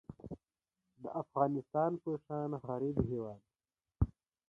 د افغانستان په شان غریب هیواد